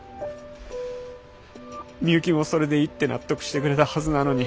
美幸もそれでいいって納得してくれたはずなのに。